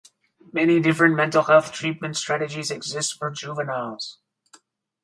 Many different mental health treatment strategies exist for juveniles.